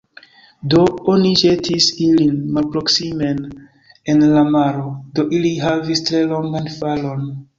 Do, oni ĵetis ilin malproksimen en la maro; do ili havis tre longan falon.